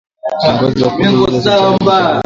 Kiongozi wa kundi hilo Sultani Makenga